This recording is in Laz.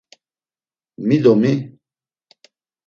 Mi do mi?